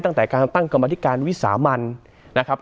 ตั้งแต่การตั้งกรรมธิการวิสามันนะครับ